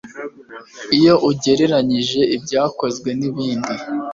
iyo ugereranyije ibyakozwe nibindi